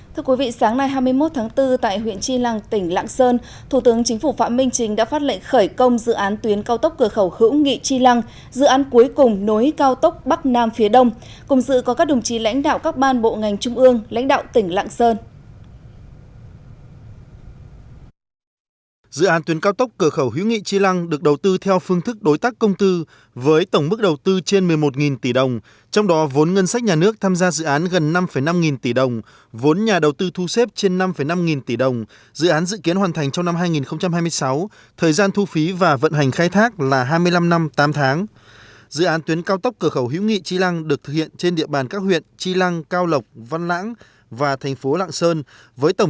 thưa quý vị sáng nay hai mươi một tháng bốn tại huyện chi lăng tỉnh lạng sơn thủ tướng chính phủ phạm minh trình đã phát lệnh khởi công dự án tuyến cao tốc cửa khẩu hữu nghị chi lăng dự án cuối cùng nối cao tốc bắc nam phía đông cùng dự có các đồng chí lãnh đạo các ban bộ ngành trung ương lãnh đạo tỉnh lạng sơn